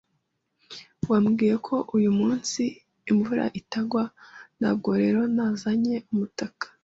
Wambwiye ko uyu munsi imvura itagwa, ntabwo rero nazanye umutaka.